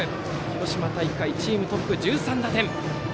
広島大会ではチームトップ１３打点。